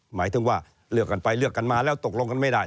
หมายถึงว่าเลือกกันไปเลือกกันมาแล้วตกลงกันไม่ได้